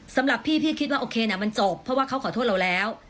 สำหรับพี่พี่คิดว่าโอเคนะมันจบเพราะว่าเขาขอโทษเราแล้ว